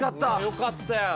よかったよ。